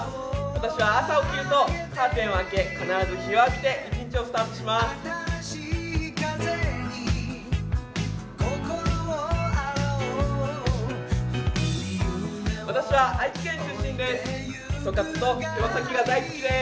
私は朝起きるとカーテンを開け、必ず日を浴びて一日をスタートします。